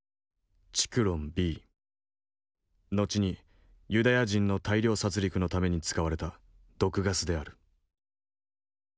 後にユダヤ人の大量殺戮のために使われた毒ガスである。